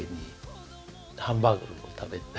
ハンバーグを食べに。